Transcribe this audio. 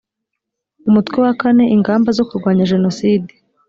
umutwe wa kane ingamba zo kurwanya jenoside